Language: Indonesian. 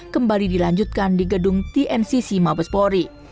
kembali dilanjutkan di gedung tncc mabespori